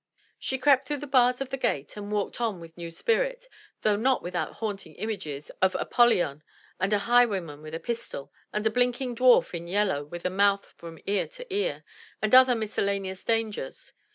She crept through the bars of the gate and walked on with new spirit, though not without haunting images of Appolyon, and a highwayman with a pistol, and a blinking dwarf in yellow with a mouth from ear to ear, and other miscellaneous dangers.